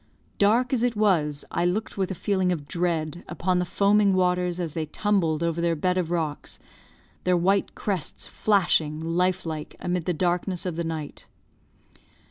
Dark as it was, I looked with a feeling of dread upon the foaming waters as they tumbled over their bed of rocks, their white crests flashing, life like, amid the darkness of the night.